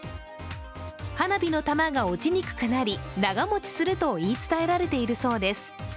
花火の玉が落ちにくくなり長もちすると言い伝えられているそうです。